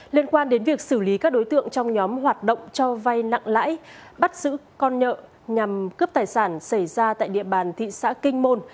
liên quan đến việc xử lý các đối tượng trong nhóm hoạt động cho vay nặng lãi bắt giữ con nợ nhằm cướp tài sản xảy ra tại địa bàn thị xã kinh môn